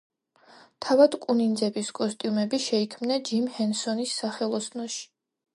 თავად კუ ნინძების კოსტიუმები შეიქმნა ჯიმ ჰენსონის სახელოსნოში.